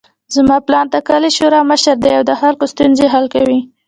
زما پلار د کلي د شورا مشر ده او د خلکو ستونزې حل کوي